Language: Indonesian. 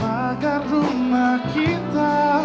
agar rumah kita